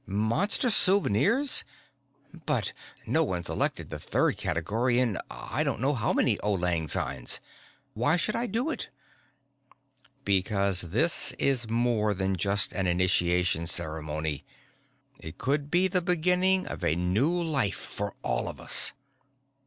Monster souvenirs? But no one's elected the third category in I don't know how many auld lang synes. Why should I do it?" "Because this is more than just an initiation ceremony. It could be the beginning of a new life for all of us."